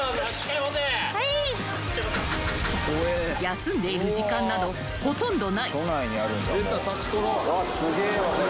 ［休んでいる時間などほとんどない］